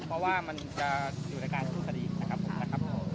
เพราะว่ามันจะอยู่ในการสู้คดีนะครับผมนะครับ